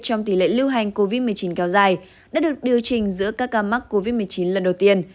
trong tỷ lệ lưu hành covid một mươi chín kéo dài đã được điều chỉnh giữa các ca mắc covid một mươi chín lần đầu tiên